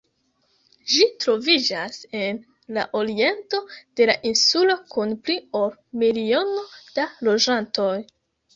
Ĝi troviĝas en la oriento de la insulo, kun pli ol miliono da loĝantoj.